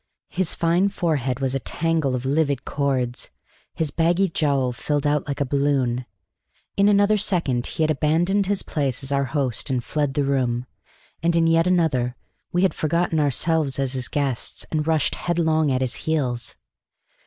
His fine forehead was a tangle of livid cords; his baggy jowl filled out like a balloon. In another second he had abandoned his place as our host and fled the room; and in yet another we had forgotten ours as his guests and rushed headlong at his heels.